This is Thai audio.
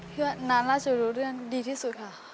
เพื่อนานราชรู้เรื่องดีที่สุดค่ะ